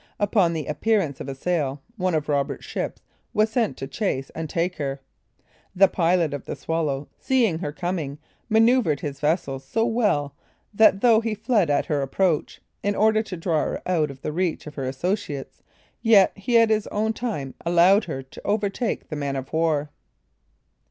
Upon the appearance of a sail, one of Roberts' ships was sent to chase and take her. The pilot of the Swallow seeing her coming, manoeouvred his vessel so well, that though he fled at her approach, in order to draw her out of the reach of her associates, yet he at his own time allowed her to overtake the man of war.